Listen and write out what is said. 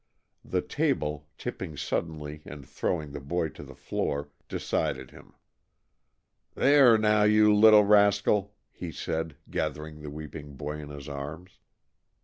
The table, tipping suddenly and throwing the boy to the floor, decided him. "There, now, you little rascal!" he said, gathering the weeping boy in his arms.